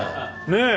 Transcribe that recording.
ねえ。